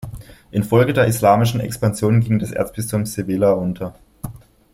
Infolge der Islamischen Expansion ging das Erzbistum Sevilla unter.